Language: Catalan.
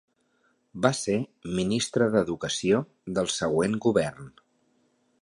Va ser ministre d'Educació del següent govern.